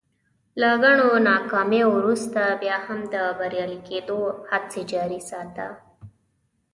له ګڼو ناکاميو ورورسته بيا هم د بريالي کېدو هڅې جاري ساته.